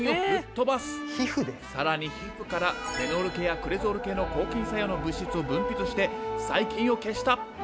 更に皮膚からフェノール系やクレゾール系の抗菌作用の物質を分泌して細菌を消した！